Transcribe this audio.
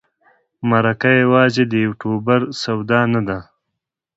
مرکه یوازې د یوټوبر سودا نه ده.